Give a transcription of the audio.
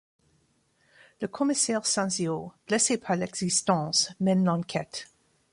Le commissaire Sanzio, blessé par l'existence, mène l'enquête.